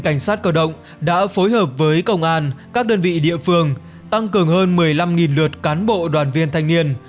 cảnh sát cơ động đã phối hợp với công an các đơn vị địa phương tăng cường hơn một mươi năm lượt cán bộ đoàn viên thanh niên